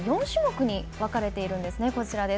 ４種目に分かれているんですね。